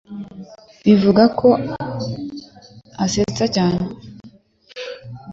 bivugwa ko asetsa cyane